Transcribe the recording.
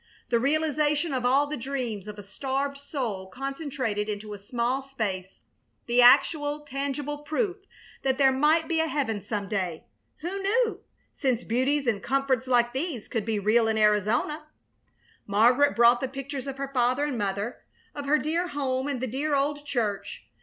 The realization of all the dreams of a starved soul concentrated into a small space; the actual, tangible proof that there might be a heaven some day who knew? since beauties and comforts like these could be real in Arizona. Margaret brought the pictures of her father and mother, of her dear home and the dear old church.